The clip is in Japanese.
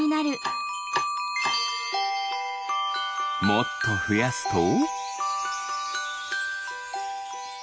もっとふやすと。